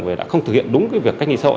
về không thực hiện đúng việc cách nhìn xã hội